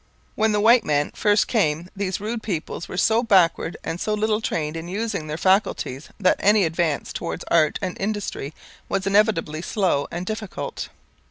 When the white men first came these rude peoples were so backward and so little trained in using their faculties that any advance towards art and industry was inevitably slow and difficult.